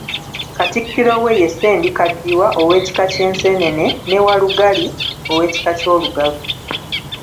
Katikkiro we ye Ssendikaddiwa ow'ekika ky'Enseenene, ne Walugali ow'ekika ky'Olugave.